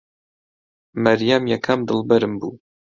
مەریەم یەکەم دڵبەرم بوو.